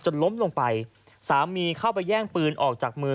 ล้มลงไปสามีเข้าไปแย่งปืนออกจากมือ